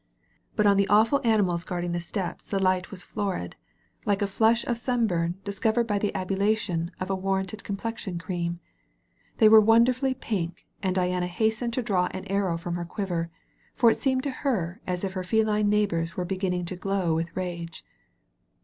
But on the awful animals guarding the steps the light was florid, like a flush of sunburn discovered 222 DIANA AND THE LIONS by the ablution (d a warranted complexion cream. They were wonderfully pink» and Diana hastened to draw an arrow from her quiver, for it seemed to her as if her feline neighbors were beginning to glow with rage.